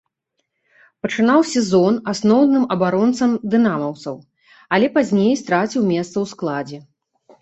Пачынаў сезон асноўным абаронцам дынамаўцаў, але пазней страціў месца ў складзе.